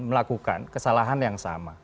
melakukan kesalahan yang sama